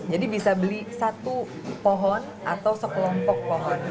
jadi bisa beli satu pohon atau sekelompok pohon